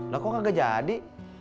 lah kok gak jadi